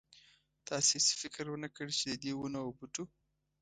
تاسې هېڅ فکر ونه کړ چې ددې ونو او بوټو.